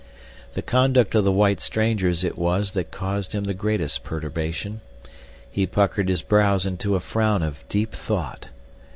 The conduct of the white strangers it was that caused him the greatest perturbation. He puckered his brows into a frown of deep thought.